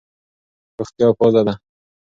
روغتیا پازه ده.